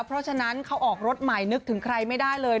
เพราะฉะนั้นเขาออกรถใหม่นึกถึงใครไม่ได้เลย